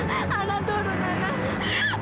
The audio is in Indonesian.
anak turun anak